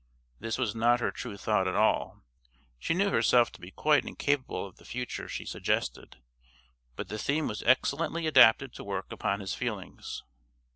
This was not her true thought at all. She knew herself to be quite incapable of the future she suggested, but the theme was excellently adapted to work upon his feelings.